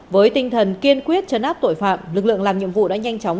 với tinh thần kiên quyết chấn áp tội phạm lực lượng làm nhiệm vụ đã nhanh chóng